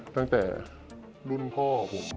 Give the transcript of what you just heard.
ตั้งแต่รุ่นพ่อผม